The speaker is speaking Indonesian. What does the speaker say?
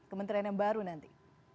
kementerian yang baru nanti